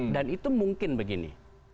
dan itu mungkin begini